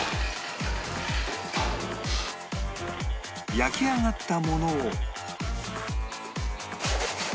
焼き上がったものを